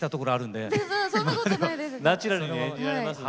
ナチュラルに演じられますね。